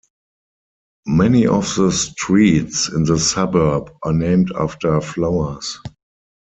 Many of the streets in the suburb are named after flowers.